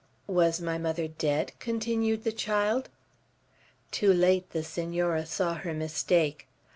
"Was my mother dead?" continued the child. Too late the Senora saw her mistake.